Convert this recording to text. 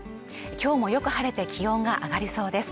今日もよく晴れて気温が上がりそうです